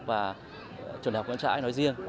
và trường đại học nguyễn trãi nói riêng